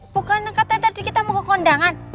bukan katanya tadi kita mau ke kondangan